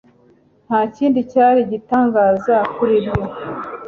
Ntakindi cyari igitangaza kuri byo.